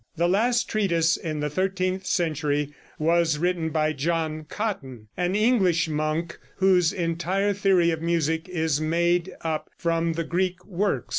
The last treatise of the thirteenth century was written by John Cotton, an English monk, whose entire theory of music is made up from the Greek works.